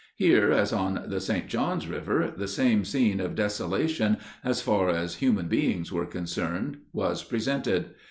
Here, as on the St. John's River, the same scene of desolation as far as human beings were concerned was presented.